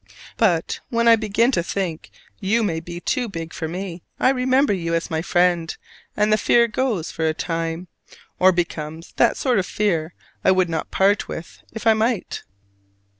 But when I begin to think you may be too big for me, I remember you as my "friend," and the fear goes for a time, or becomes that sort of fear I would not part with if I might.